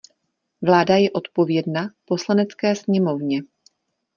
Vláda je odpovědna Poslanecké sněmovně.